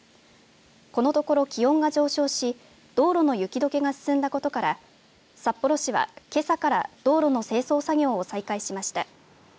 このところ気温が上昇し道路の雪どけが進んだことから札幌市は、けさから道路の清掃作業を再開しました。